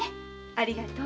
ありがとう。